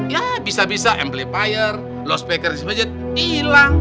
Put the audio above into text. ya bisa bisa amplifier loss packer di masjid hilang